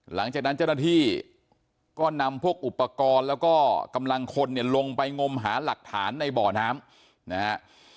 หลังจากนั้นเจ้าหน้าที่ก็นำพวกอุปกรณ์แล้วก็กำลังคนเนี่ยลงไปงมหาหลักฐานในบ่อน้ำนะฮะ